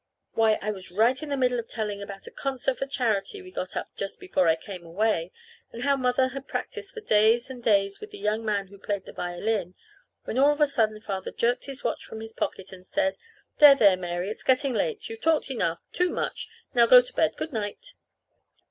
Why, I was right in the middle of telling about a concert for charity we got up just before I came away, and how Mother had practiced for days and days with the young man who played the violin, when all of a sudden Father jerked his watch from his pocket and said: "There, there, Mary, it's getting late. You've talked enough too much. Now go to bed. Good night."